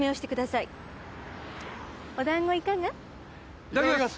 いただきます！